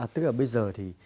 tức là bây giờ thì